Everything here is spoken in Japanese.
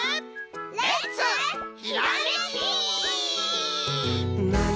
レッツひらめき！